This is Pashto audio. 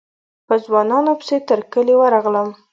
په ځوانانو پسې تر کلي ورغلم.